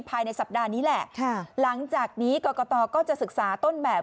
ภายในสัปดาห์นี้แหละค่ะหลังจากนี้กรกตก็จะศึกษาต้นแบบ